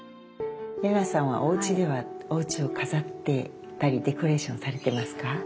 麗奈さんはおうちではおうちを飾ったりデコレーションされてますか？